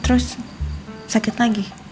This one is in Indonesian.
terus sakit lagi